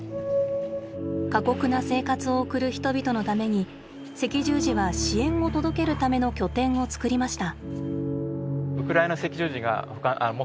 過酷な生活を送る人々のために赤十字は支援を届けるための拠点をつくりました。